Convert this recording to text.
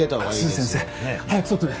鈴先生早く外へ！